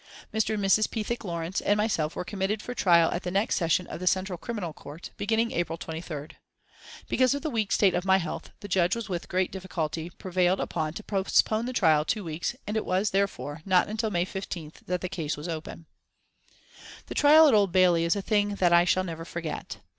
Mr. and Mrs. Pethick Lawrence and myself were committed for trial at the next session of the Central Criminal Court, beginning April 23rd. Because of the weak state of my health the judge was with great difficulty prevailed upon to postpone the trial two weeks and it was, therefore, not until May 15th that the case was opened. The trial at Old Bailey is a thing that I shall never forget.